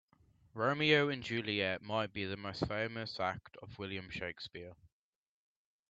Romeo and Juliet might be the most famous act of William Shakespeare.